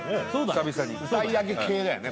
久々に歌い上げ系だよね